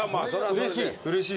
うれしい？